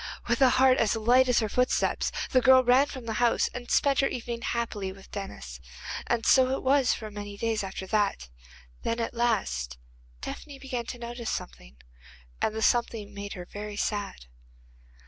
With a heart as light as her footsteps, the girl ran from the house, and spent her evening happily with Denis. And so it was for many days after that. Then, at last, Tephany began to notice something, and the something made her very sad.